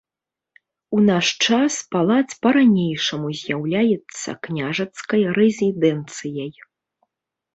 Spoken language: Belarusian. У наш час палац па ранейшаму з'яўляецца княжацкай рэзідэнцыяй.